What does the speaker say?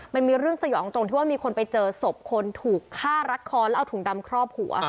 มันมีเรื่องสยองตรงที่ว่ามีคนไปเจอศพคนถูกฆ่ารัดคอแล้วเอาถุงดำครอบหัว